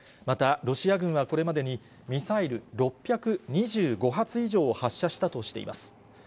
また、ロシア軍がこれまでにミサイル６２５発以上を発射したとしています。